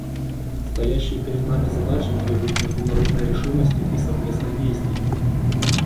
Стоящие перед нами задачи требуют международной решимости и совместных действий.